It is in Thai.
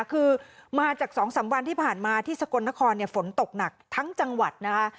คือมาจาก๒๓วันที่ผ่านมาที่สกลนครฝนตกหนักทั้งจังหวัดนะคะ